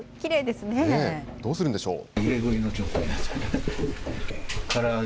どうするんでしょう。